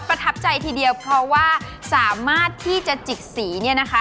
ประทับใจทีเดียวเพราะว่าสามารถที่จะจิกสีเนี่ยนะคะ